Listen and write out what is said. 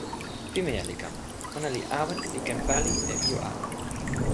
pimeja li kama. ona li awen li ken pali e ijo ala.